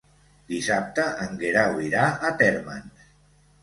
Dissabte en Guerau irà a Térmens.